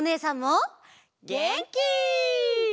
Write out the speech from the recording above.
げんき！